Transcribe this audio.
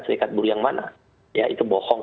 serikat buruh yang mana ya itu bohong